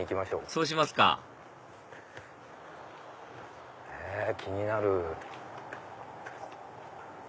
そうしますか気になる！